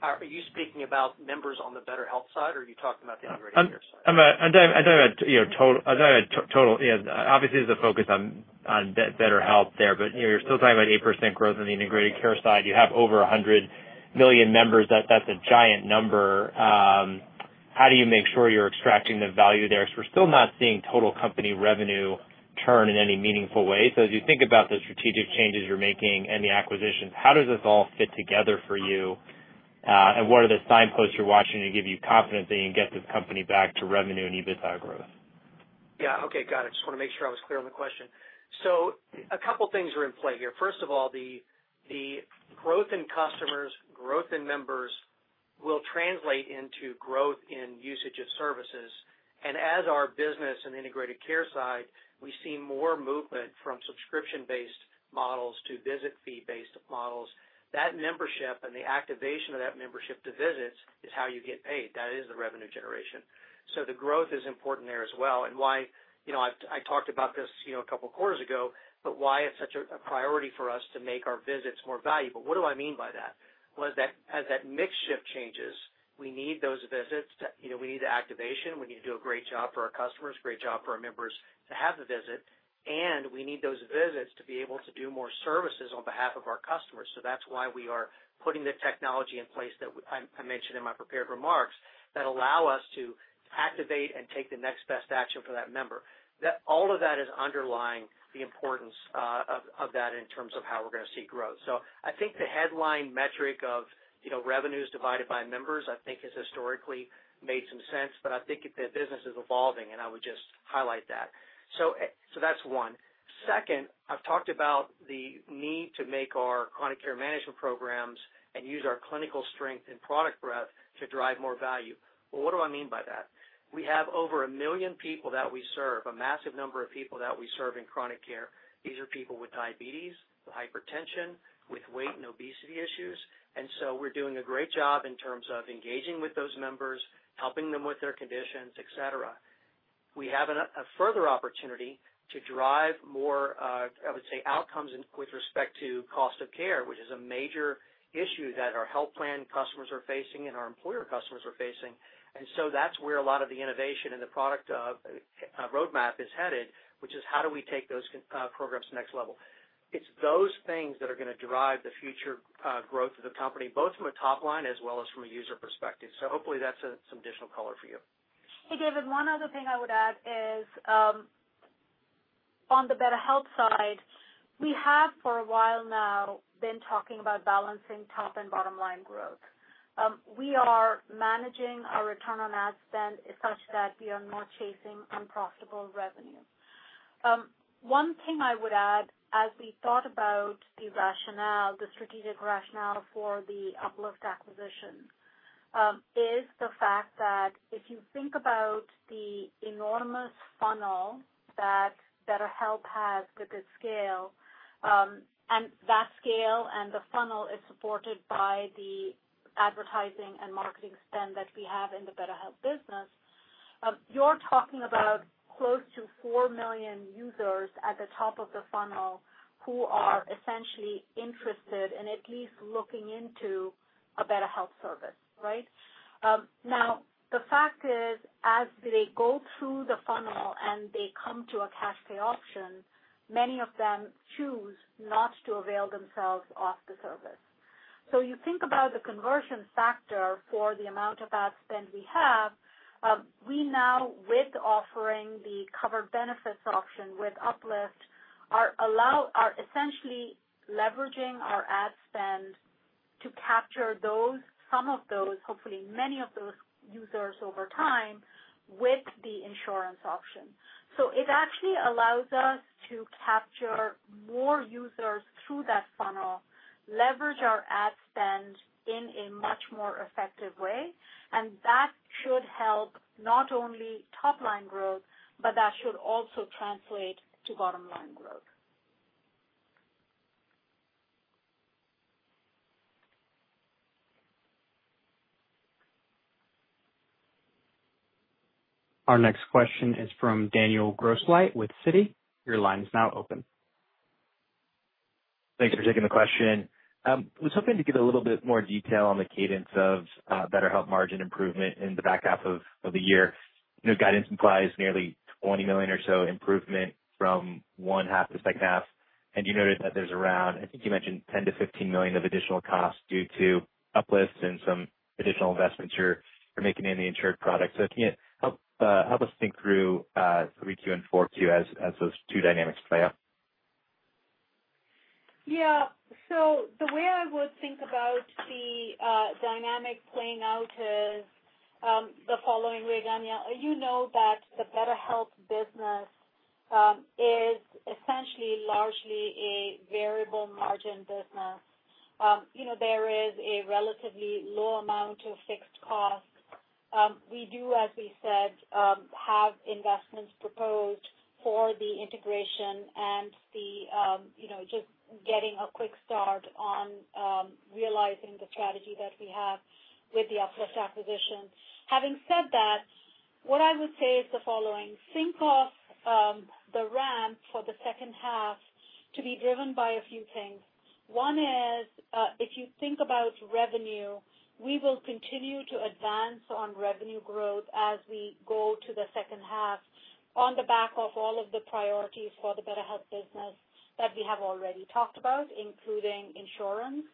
Are you speaking about members on the BetterHelp side, or are you talking about the integrated care side? I'm talking about total—obviously, there's a focus on BetterHelp there, but you're still talking about 8% growth on the integrated care side. You have over 100 million members. That's a giant number. How do you make sure you're extracting the value there? Because we're still not seeing total company revenue turn in any meaningful way. As you think about the strategic changes you're making and the acquisitions, how does this all fit together for you? What are the signposts you're watching to give you confidence that you can get this company back to revenue and even to growth? Yeah. Okay. Got it. Just want to make sure I was clear on the question. A couple of things are in play here. First of all, the growth in customers, growth in members will translate into growth in usage of services. As our business and Integrated Care side, we see more movement from subscription-based models to visit-fee-based models. That membership and the activation of that membership to visits is how you get paid. That is the revenue generation. The growth is important there as well. I talked about this a couple of quarters ago, but why it's such a priority for us to make our visits more valuable. What do I mean by that? As that mix shift changes, we need those visits. We need the activation. We need to do a great job for our customers, a great job for our members to have the visit. We need those visits to be able to do more services on behalf of our customers. That is why we are putting the technology in place that I mentioned in my prepared remarks that allow us to activate and take the next best action for that member. All of that is underlying the importance of that in terms of how we're going to see growth. I think the headline metric of revenues divided by members, I think, has historically made some sense. I think the business is evolving, and I would just highlight that. That's one. Second, I've talked about the need to make our chronic care management programs and use our clinical strength and product breadth to drive more value. What do I mean by that? We have over 1 million people that we serve, a massive number of people that we serve in chronic care. These are people with diabetes, with hypertension, with weight and obesity issues. We're doing a great job in terms of engaging with those members, helping them with their conditions, etc. We have a further opportunity to drive more, I would say, outcomes with respect to cost of care, which is a major issue that our health plan customers are facing and our employer customers are facing. That is where a lot of the innovation and the product roadmap is headed, which is how do we take those programs to the next level? It is those things that are going to drive the future growth of the company, both from a top line as well as from a user perspective. Hopefully, that is some additional color for you. Hey, David, one other thing I would add is on the BetterHelp side, we have for a while now been talking about balancing top and bottom line growth. We are managing our return on ad spend such that we are not chasing unprofitable revenue. One thing I would add, as we thought about the strategic rationale for the Uplift acquisition, is the fact that if you think about the enormous funnel that BetterHelp has with its scale, and that scale and the funnel is supported by the advertising and marketing spend that we have in the BetterHelp business, you're talking about close to four million users at the top of the funnel who are essentially interested in at least looking into a BetterHelp service, right? Now, the fact is, as they go through the funnel and they come to a cash pay option, many of them choose not to avail themselves of the service. You think about the conversion factor for the amount of ad spend we have, we now, with offering the covered benefits option with Uplift, are essentially leveraging our ad spend to capture some of those, hopefully many of those users over time with the insurance option. It actually allows us to capture more users through that funnel, leverage our ad spend in a much more effective way. That should help not only top line growth, but that should also translate to bottom line growth. Our next question is from Daniel Grosslight with Citi. Your line is now open. Thanks for taking the question. I was hoping to get a little bit more detail on the cadence of BetterHelp margin improvement in the back half of the year. Guidance implies nearly $20 million or so improvement from one half to second half. You noted that there's around, I think you mentioned, $10 million-$15 million of additional costs due to Uplift and some additional investments you're making in the insured product. Can you help us think through 3Q and 4Q as those two dynamics play out? Yeah. The way I would think about the dynamic playing out is the following way, Daniel. You know that the BetterHelp business is essentially largely a variable margin business. There is a relatively low amount of fixed cost. We do, as we said, have investments proposed for the integration and just getting a quick start on realizing the strategy that we have with the Uplift acquisition. Having said that, what I would say is the following. Think of the ramp for the second half to be driven by a few things. One is, if you think about revenue, we will continue to advance on revenue growth as we go to the second half on the back of all of the priorities for the BetterHelp business that we have already talked about, including insurance,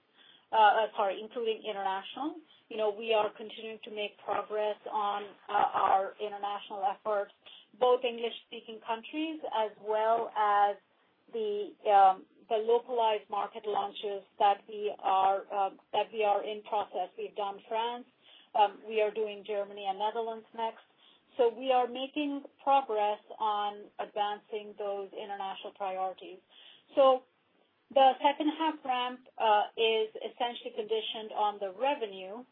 sorry, including international. We are continuing to make progress on our international efforts, both English-speaking countries as well as the localized market launches that we are in process. We've done France. We are doing Germany and Netherlands next. We are making progress on advancing those international priorities. The second half ramp is essentially conditioned on the revenue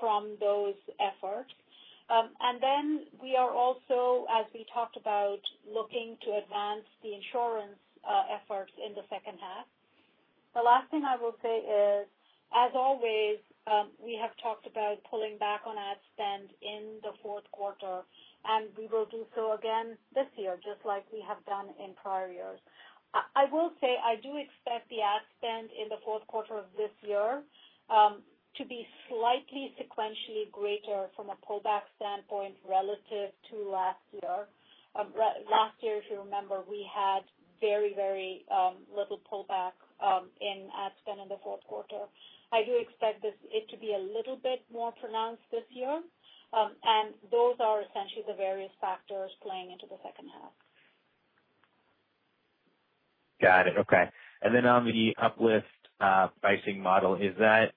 from those efforts. We are also, as we talked about, looking to advance the insurance efforts in the second half. The last thing I will say is, as always, we have talked about pulling back on ad spend in the fourth quarter, and we will do so again this year, just like we have done in prior years. I will say I do expect the ad spend in the fourth quarter of this year to be slightly sequentially greater from a pullback standpoint relative to last year. Last year, if you remember, we had very, very little pullback in ad spend in the fourth quarter. I do expect it to be a little bit more pronounced this year. Those are essentially the various factors playing into the second half. Got it. Okay. On the Uplift pricing model, is that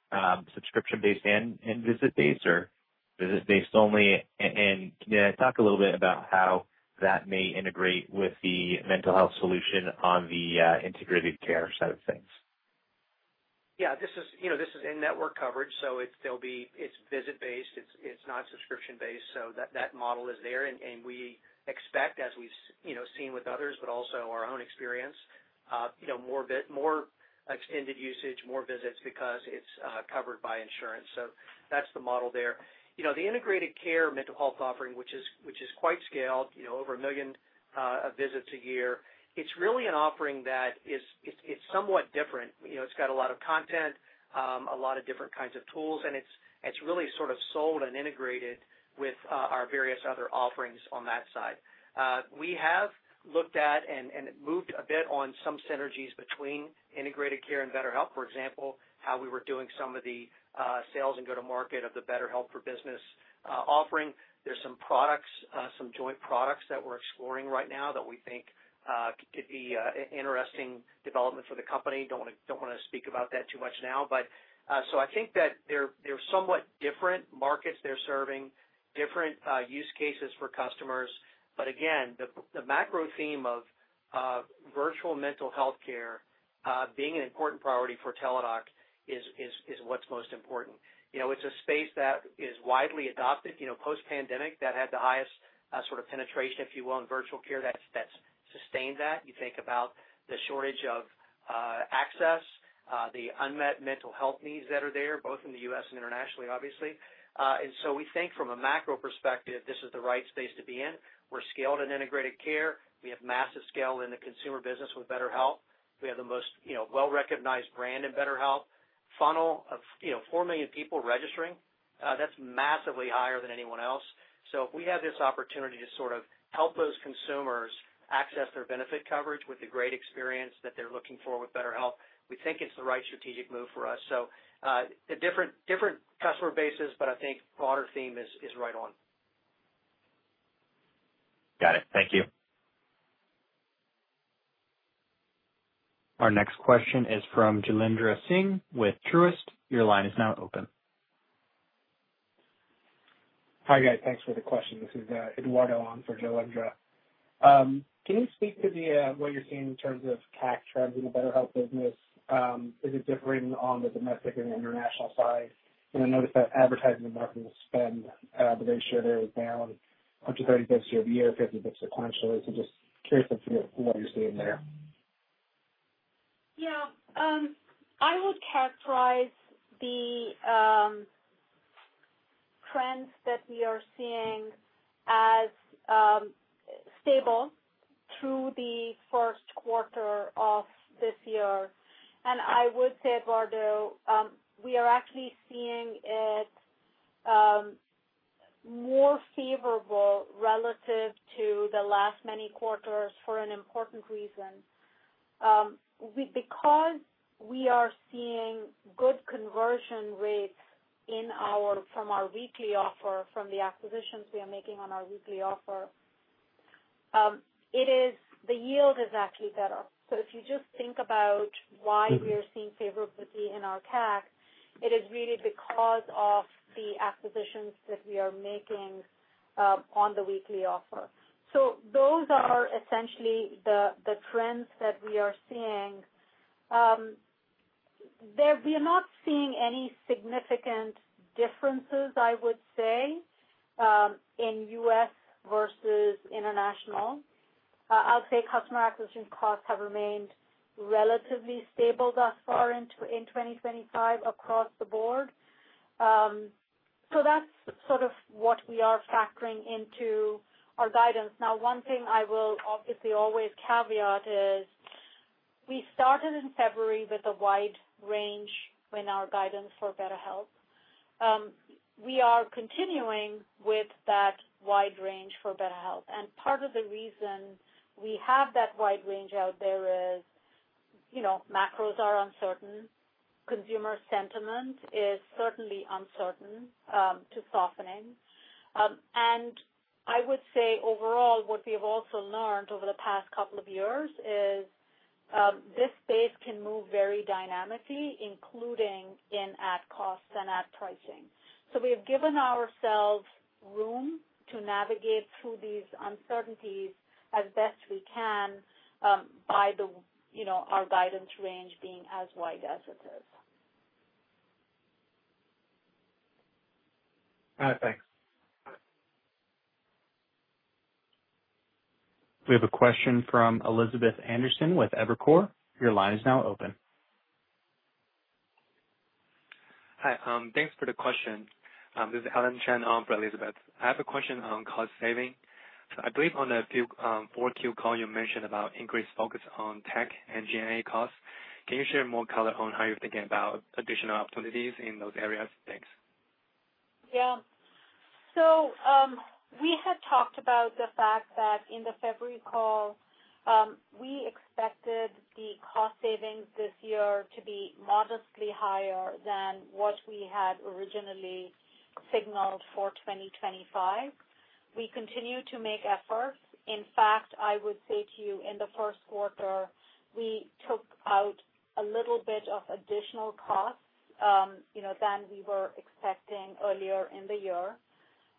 subscription-based and visit-based or visit-based only? Can you talk a little bit about how that may integrate with the mental health solution on the integrated care side of things? Yeah. This is in-network coverage, so it is visit-based. It is not subscription-based. That model is there. We expect, as we have seen with others, but also our own experience, more extended usage, more visits because it is covered by insurance. That is the model there. The integrated care mental health offering, which is quite scaled, over a million visits a year, is really an offering that is somewhat different. It has a lot of content, a lot of different kinds of tools, and it is really sort of sold and integrated with our various other offerings on that side. We have looked at and moved a bit on some synergies between Integrated Care and BetterHelp, for example, how we were doing some of the sales and go-to-market of the BetterHelp for Business offering. There are some joint products that we're exploring right now that we think could be an interesting development for the company. I do not want to speak about that too much now. I think that they're somewhat different markets they're serving, different use cases for customers. Again, the macro theme of virtual mental healthcare being an important priority for Teladoc Health is what's most important. It's a space that is widely adopted post-pandemic that had the highest sort of penetration, if you will, in virtual care that's sustained that. You think about the shortage of access, the unmet mental health needs that are there, both in the U.S. and internationally, obviously. We think from a macro perspective, this is the right space to be in. We're scaled in integrated care. We have massive scale in the consumer business with BetterHelp. We have the most well-recognized brand in BetterHelp. Funnel of four million people registering. That's massively higher than anyone else. If we have this opportunity to sort of help those consumers access their benefit coverage with the great experience that they're looking for with BetterHelp, we think it's the right strategic move for us. Different customer bases, but I think broader theme is right on. Got it. Thank you. Our next question is from Jailendra Singh with Truist. Your line is now open. Hi guys. Thanks for the question. This is Eduardo on for Jailendra. Can you speak to what you're seeing in terms of CAC trends in the BetterHelp business? Is it differing on the domestic and international side? I noticed that advertising and marketing spend, the ratio there is down up to 30 basis points year to year, 50 basis points sequentially. Just curious of what you're seeing there. Yeah. I would characterize the trends that we are seeing as stable through the first quarter of this year. I would say, Eduardo, we are actually seeing it more favorable relative to the last many quarters for an important reason. We are seeing good conversion rates from our weekly offer, from the acquisitions we are making on our weekly offer, the yield is actually better. If you just think about why we are seeing favorability in our CAC, it is really because of the acquisitions that we are making on the weekly offer. Those are essentially the trends that we are seeing. We are not seeing any significant differences, I would say, in U.S. versus international. I'll say customer acquisition costs have remained relatively stable thus far in 2025 across the board. That is sort of what we are factoring into our guidance. Now, one thing I will obviously always caveat is we started in February with a wide range in our guidance for BetterHelp. We are continuing with that wide range for BetterHelp. Part of the reason we have that wide range out there is macros are uncertain. Consumer sentiment is certainly uncertain to softening. I would say overall, what we have also learned over the past couple of years is this space can move very dynamically, including in ad costs and ad pricing. We have given ourselves room to navigate through these uncertainties as best we can by our guidance range being as wide as it is. All right. Thanks. We have a question from Elizabeth Anderson with Evercore. Your line is now open. Hi. Thanks for the question. This is Alan Chen of Elizabeth. I have a question on cost saving. I believe on the 4Q call, you mentioned about increased focus on tech and G&A costs. Can you share more color on how you're thinking about additional opportunities in those areas? Thanks. Yeah. We had talked about the fact that in the February call, we expected the cost savings this year to be modestly higher than what we had originally signaled for 2025. We continue to make efforts. In fact, I would say to you, in the first quarter, we took out a little bit of additional costs than we were expecting earlier in the year.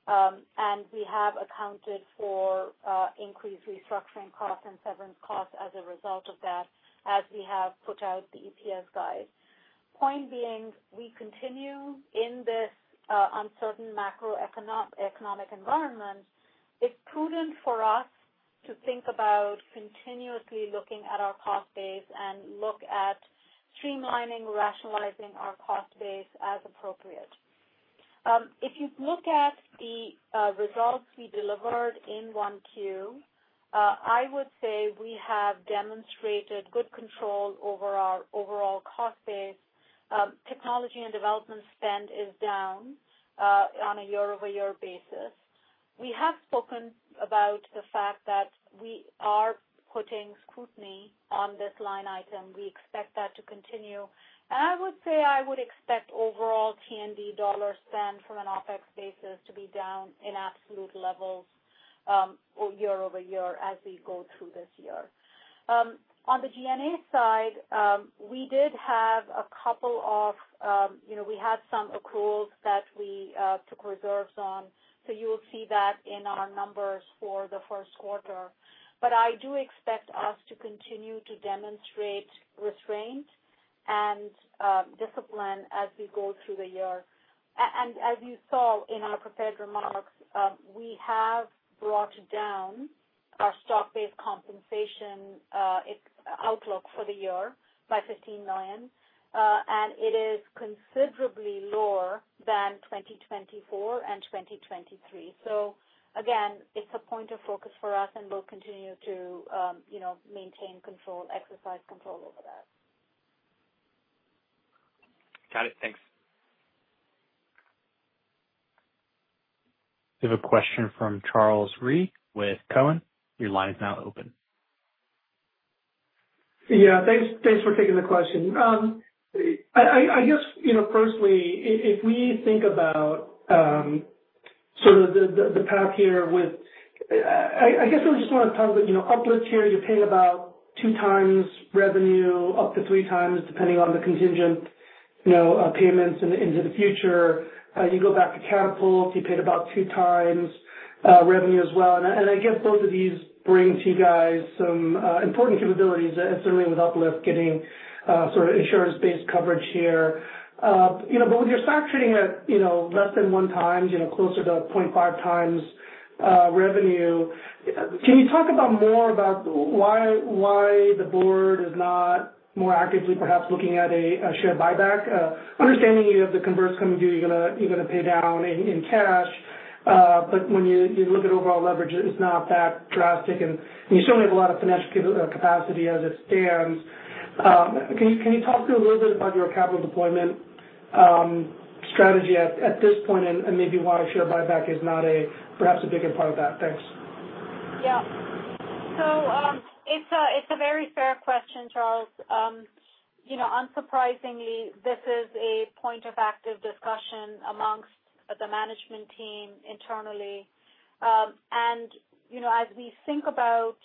We have accounted for increased restructuring costs and severance costs as a result of that, as we have put out the EPS guide. Point being, we continue in this uncertain macroeconomic environment. It's prudent for us to think about continuously looking at our cost base and look at streamlining, rationalizing our cost base as appropriate. If you look at the results we delivered in 1Q, I would say we have demonstrated good control over our overall cost base. Technology and development spend is down on a year-over-year basis. We have spoken about the fact that we are putting scrutiny on this line item. We expect that to continue. I would say I would expect overall T&D dollar spend from an OPEX basis to be down in absolute levels year over year as we go through this year. On the G&A side, we did have a couple of we had some accruals that we took reserves on. You will see that in our numbers for the first quarter. I do expect us to continue to demonstrate restraint and discipline as we go through the year. As you saw in our prepared remarks, we have brought down our stock-based compensation outlook for the year by $15 million. It is considerably lower than 2024 and 2023. It is a point of focus for us, and we'll continue to maintain control, exercise control over that. Got it. Thanks. We have a question from Charles Reid with Cowen. Your line is now open. Yeah. Thanks for taking the question. I guess, firstly, if we think about sort of the path here with I guess I just want to talk about Uplift here. You're paying about two times revenue, up to three times depending on the contingent payments into the future. You go back to Catapult, you paid about two times revenue as well. I guess both of these bring to you guys some important capabilities, certainly with Uplift getting sort of insurance-based coverage here. With your stock trading at less than one time, closer to 0.5 times revenue, can you talk more about why the board is not more actively perhaps looking at a share buyback? Understanding you have the converse coming to you, you're going to pay down in cash. When you look at overall leverage, it's not that drastic. You certainly have a lot of financial capacity as it stands. Can you talk a little bit about your capital deployment strategy at this point and maybe why share buyback is not perhaps a bigger part of that? Thanks. Yeah. It's a very fair question, Charles. Unsurprisingly, this is a point of active discussion amongst the management team internally. As we think about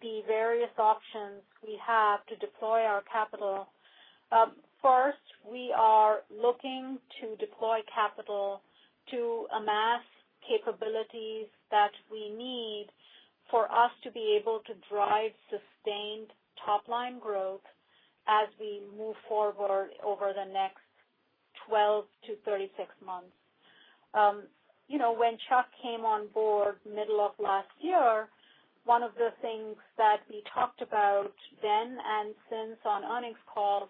the various options we have to deploy our capital, first, we are looking to deploy capital to amass capabilities that we need for us to be able to drive sustained top-line growth as we move forward over the next 12 to 36 months. When Chuck came on board middle of last year, one of the things that we talked about then and since on earnings calls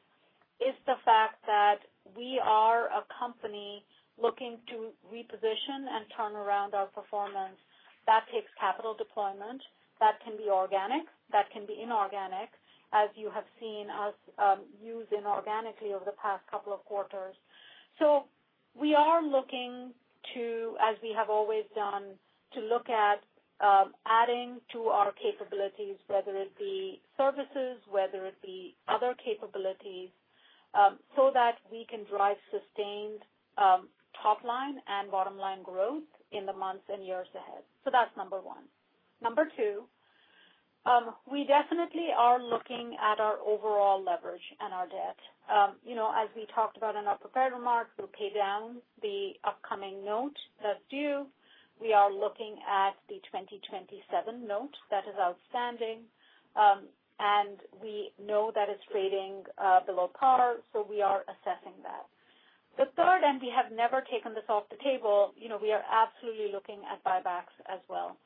is the fact that we are a company looking to reposition and turn around our performance. That takes capital deployment that can be organic, that can be inorganic, as you have seen us use inorganically over the past couple of quarters. We are looking to, as we have always done, to look at adding to our capabilities, whether it be services, whether it be other capabilities, so that we can drive sustained top-line and bottom-line growth in the months and years ahead. That's number one. Number two, we definitely are looking at our overall leverage and our debt. As we talked about in our prepared remarks, we'll pay down the upcoming note that's due. We are looking at the 2027 note that is outstanding. We know that it's trading below par, so we are assessing that. The third, and we have never taken this off the table, we are absolutely looking at buybacks as well.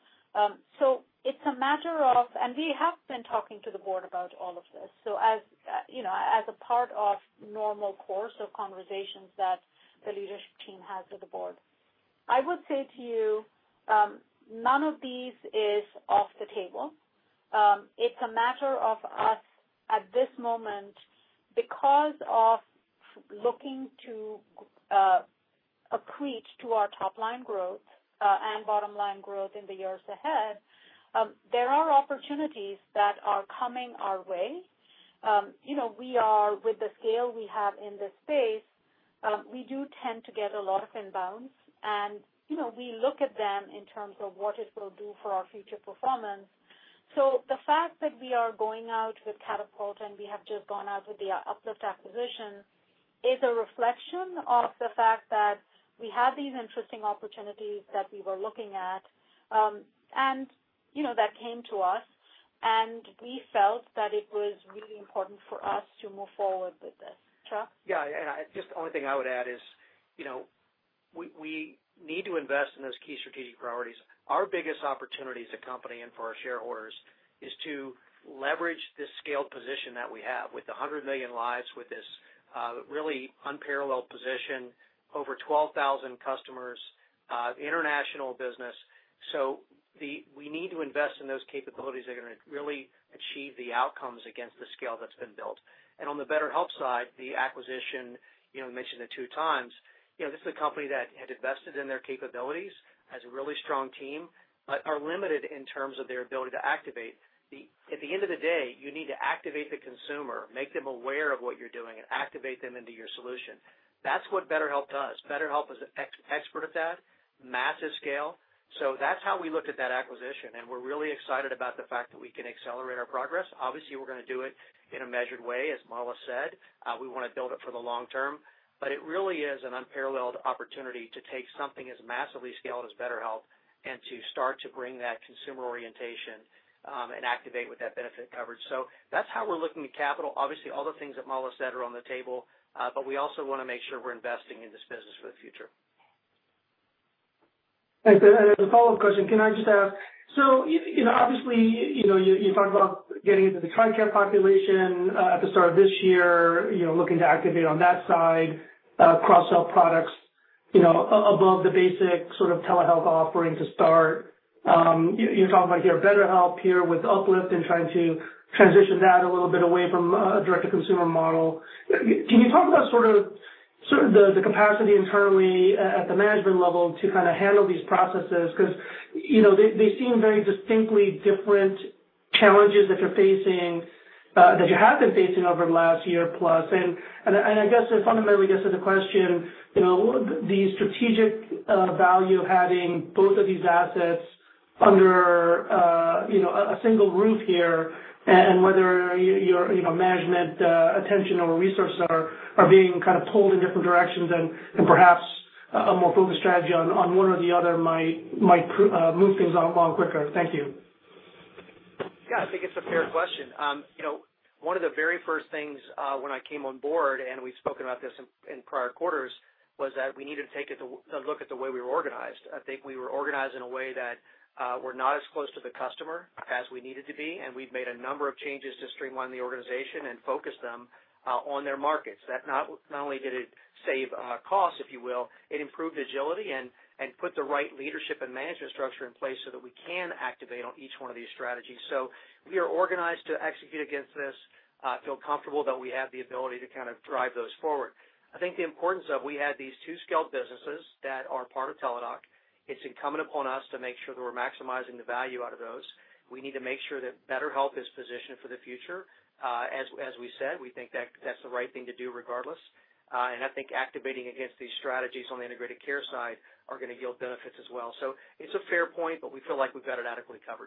It is a matter of, and we have been talking to the board about all of this. As a part of normal course of conversations that the leadership team has with the board, I would say to you, none of these is off the table. It is a matter of us at this moment, because of looking to accrete to our top-line growth and bottom-line growth in the years ahead, there are opportunities that are coming our way. With the scale we have in this space, we do tend to get a lot of inbounds. We look at them in terms of what it will do for our future performance. The fact that we are going out with Catapult and we have just gone out with the Uplift acquisition is a reflection of the fact that we had these interesting opportunities that we were looking at and that came to us. We felt that it was really important for us to move forward with this. Chuck? Yeah. The only thing I would add is we need to invest in those key strategic priorities. Our biggest opportunity as a company and for our shareholders is to leverage this scaled position that we have with 100 million lives with this really unparalleled position, over 12,000 customers, international business. We need to invest in those capabilities that are going to really achieve the outcomes against the scale that's been built. On the BetterHelp side, the acquisition, you mentioned it two times, this is a company that had invested in their capabilities as a really strong team, but are limited in terms of their ability to activate. At the end of the day, you need to activate the consumer, make them aware of what you're doing, and activate them into your solution. That is what BetterHelp does. BetterHelp is an expert at that, massive scale. That is how we looked at that acquisition. We are really excited about the fact that we can accelerate our progress. Obviously, we are going to do it in a measured way, as Mala said. We want to build it for the long term. It really is an unparalleled opportunity to take something as massively scaled as BetterHelp and to start to bring that consumer orientation and activate with that benefit coverage. That's how we're looking at capital. Obviously, all the things that Mala said are on the table, but we also want to make sure we're investing in this business for the future. Thanks. As a follow-up question, can I just ask? Obviously, you talked about getting into the TRICARE population at the start of this year, looking to activate on that side, cross-sell products above the basic sort of Telehealth offering to start. You're talking about your BetterHelp here with Uplift and trying to transition that a little bit away from a direct-to-consumer model. Can you talk about sort of the capacity internally at the management level to kind of handle these processes? Because they seem very distinctly different challenges that you're facing, that you have been facing over the last year plus. I guess fundamentally, I guess the question, the strategic value of having both of these assets under a single roof here and whether your management attention or resources are being kind of pulled in different directions and perhaps a more focused strategy on one or the other might move things along quicker. Thank you. Yeah. I think it's a fair question. One of the very first things when I came on board and we've spoken about this in prior quarters was that we needed to take a look at the way we were organized. I think we were organized in a way that we're not as close to the customer as we needed to be. We've made a number of changes to streamline the organization and focus them on their markets. Not only did it save costs, if you will, it improved agility and put the right leadership and management structure in place so that we can activate on each one of these strategies. We are organized to execute against this, feel comfortable that we have the ability to kind of drive those forward. I think the importance of we had these two scaled businesses that are part of Teladoc Health. It is incumbent upon us to make sure that we are maximizing the value out of those. We need to make sure that BetterHelp is positioned for the future. As we said, we think that that is the right thing to do regardless. I think activating against these strategies on the Integrated Care side are going to yield benefits as well. It is a fair point, but we feel like we have got it adequately covered.